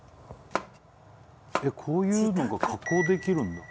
えっこういうのが加工できるんだ。